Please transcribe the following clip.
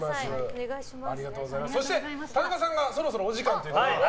そして、田中さんがそろそろお時間ということで。